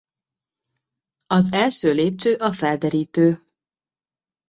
Az első lépcső a felderítő.